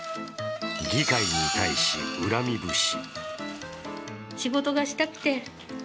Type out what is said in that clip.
議会に対し、恨み節。